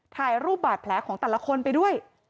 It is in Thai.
ถ่ายรูปบาดแผลของแต่ละคนไปด้วย